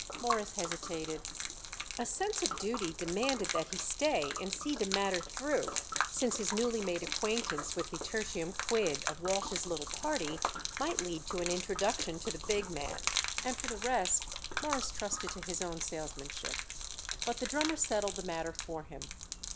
Morris hesitated. A sense of duty demanded that he stay and see the matter through, since his newly made acquaintance with the tertium quid of Walsh's little party might lead to an introduction to the big man, and for the rest Morris trusted to his own salesmanship. But the drummer settled the matter for him.